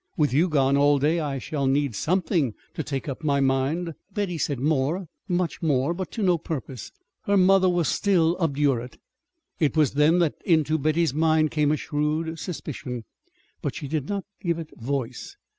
With you gone all day I shall need something to take up my mind." Betty said more, much more; but to no purpose. Her mother was still obdurate. It was then that into Betty's mind came a shrewd suspicion, but she did not give it voice.